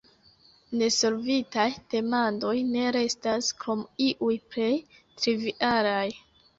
Nesolvitaj demandoj ne restas, krom iuj plej trivialaj.